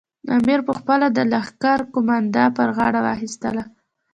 امیر پخپله د لښکر قومانده پر غاړه واخیستله.